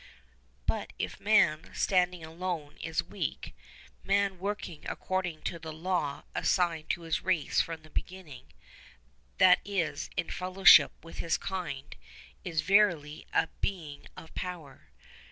But if man, standing alone, is weak, man working according to the law assigned to his race from the beginning—that is, in fellowship with his kind—is verily a being of power.